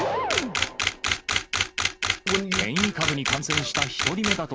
変異株に感染した１人目だと